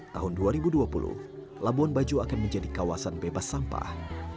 tahun dua ribu dua puluh labuan bajo akan menjadi kawasan bebas sampah